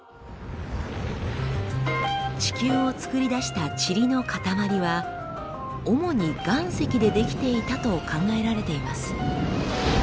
地球をつくり出したチリのかたまりは主に岩石で出来ていたと考えられています。